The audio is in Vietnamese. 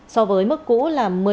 so với mức cũ là một mét khối